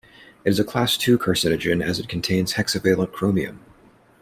It is a class two carcinogen as it contains hexavalent chromium.